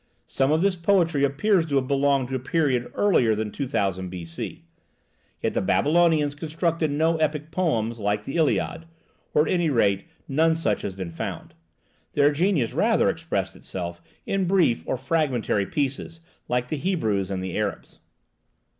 Some of this poetry appears to have belonged to a period earlier than 2000 B.C. Yet the Babylonians constructed no epic poem like the (Iliad,) or at any rate none such has yet been found. Their genius rather expressed itself in brief or fragmentary pieces, like the Hebrews and the Arabs.